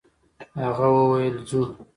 هغه وويل: «ځو!»